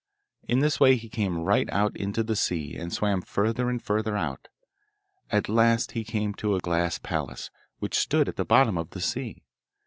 In this way he came right out into the sea, and swam further and further out. At last he came to a glass palace, which stood at the bottom of the sea.